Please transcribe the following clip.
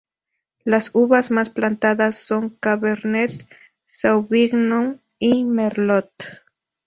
Las uvas más plantadas son cabernet sauvignon y merlot.